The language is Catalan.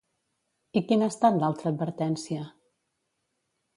I quina ha estat l'altra advertència?